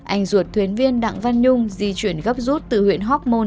anh ruột thuyền viên đặng văn nhung di chuyển gấp rút từ huyện hóc môn